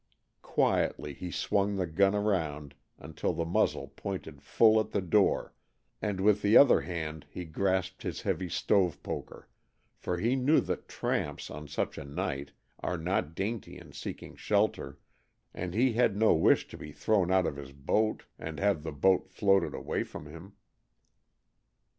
Quietly he swung the gun around until the muzzle pointed full at the door, and with the other hand he grasped his heavy stove poker, for he knew that tramps, on such a night, are not dainty in seeking shelter, and he had no wish to be thrown out of his boat and have the boat floated away from him.